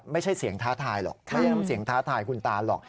ไม่ได้นำเสียงท้าทายหรอกไม่ได้นำเสียงท้าทายคุณตานหรอก